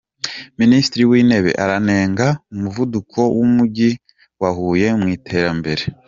Minisitiri w’Intebe aranenga umuvuduko w’Umujyi wa Huye mu iterambere